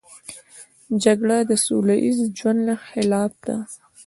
جګړه د سوله ییز ژوند خلاف ده